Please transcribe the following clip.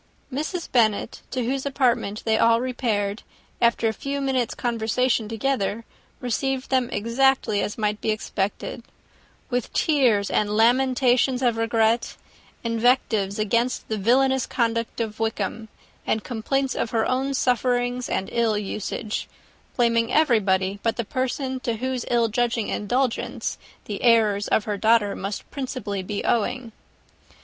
Mrs. Bennet, to whose apartment they all repaired, after a few minutes' conversation together, received them exactly as might be expected; with tears and lamentations of regret, invectives against the villainous conduct of Wickham, and complaints of her own sufferings and ill usage; blaming everybody but the person to whose ill judging indulgence the errors of her daughter must be principally owing.